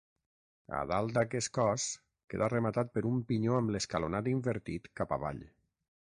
A dalt aquest cos queda rematat per un pinyó amb l'escalonat invertit cap avall.